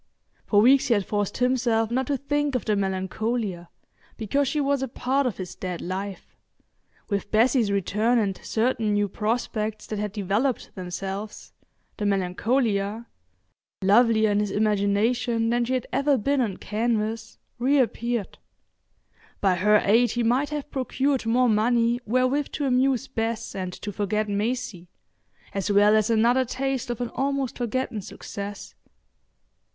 For weeks he had forced himself not to think of the Melancolia, because she was a part of his dead life. With Bessie's return and certain new prospects that had developed themselves, the Melancolia—lovelier in his imagination than she had ever been on canvas—reappeared. By her aid he might have procured more money wherewith to amuse Bess and to forget Maisie, as well as another taste of an almost forgotten success.